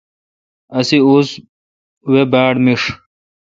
اسے اوزہ وے باڑ میݭ۔